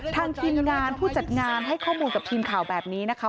ทีมงานผู้จัดงานให้ข้อมูลกับทีมข่าวแบบนี้นะคะ